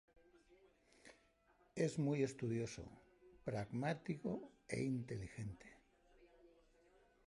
Es muy estudioso, pragmático e inteligente.